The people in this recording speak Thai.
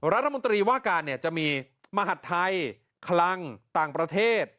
รัฐมนตรีว่าการจะมีมหัฐไทยคลังต่างประเทศ